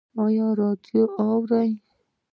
ایا راډیو اورئ؟